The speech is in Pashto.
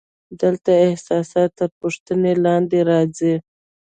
دلته اساسات تر پوښتنې لاندې راځي.